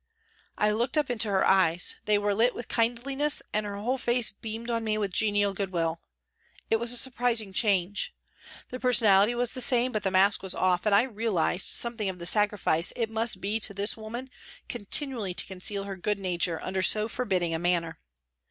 I looked up into her eyes. They were lit with kindliness and her whole face beamed on me with genial goodwill. It was a surprising change. The personality was the same, but the mask was off and I realised something of the sacrifice it must be to this woman continually to conceal her good nature under so forbidding a manner.